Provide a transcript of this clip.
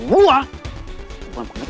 tukang elektrik yang seperti